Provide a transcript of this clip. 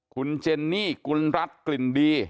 คุณเจนนี่กุลรัฐกลิ่นดี